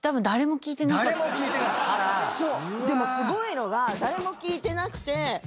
誰も聞いてない⁉でもすごいのが誰も聞いてなくて。